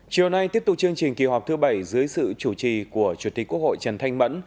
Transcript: chiều nay tiếp tục chương trình kỳ họp thứ bảy dưới sự chủ trì của chủ tịch quốc hội trần thanh mẫn